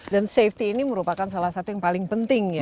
dan safety ini merupakan salah satu yang paling penting ya